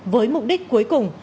với mục đích cuối cùng